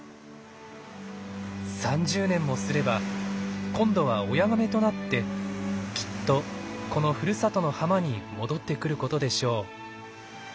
３０年もすれば今度は親ガメとなってきっとこのふるさとの浜に戻ってくることでしょう。